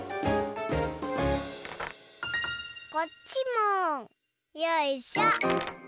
こっちもよいしょ。